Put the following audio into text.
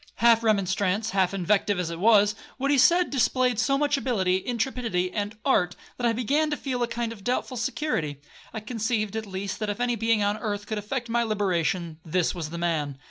Half remonstrance, half invective as it was, what he said displayed so much ability, intrepidity, and art, that I began to feel a kind of doubtful security. I conceived, at least, that if any being on earth could effect my liberation, this was the man.